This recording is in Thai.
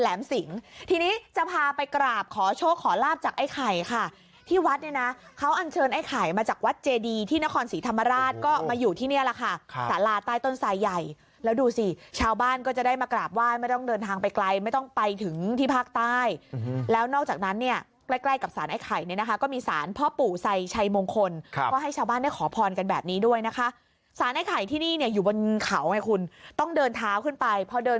แหลมสิงที่นี้จะพาไปกราบขอโชคขอลาบจากไอ้ไข่ค่ะที่วัดเนี่ยนะเขาอันเชิญไอ้ไข่มาจากวัดเจดีที่นครศรีธรรมราชก็มาอยู่ที่เนี่ยล่ะค่ะสาลาดใต้ต้นทรายใหญ่แล้วดูสิชาวบ้านก็จะได้มากราบว่ายไม่ต้องเดินทางไปไกลไม่ต้องไปถึงที่ภาคใต้แล้วนอกจากนั้นเนี่ยใกล้กับสารไอ้ไข่เนี่ยนะคะก็มีส